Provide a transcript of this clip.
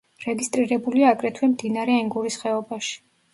რეგისტრირებულია აგრეთვე მდინარე ენგურის ხეობაში.